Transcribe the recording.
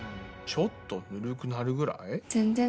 ちょっとぬるくなるぐらい？